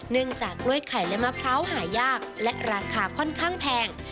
จากกล้วยไข่และมะพร้าวหายากและราคาค่อนข้างแพง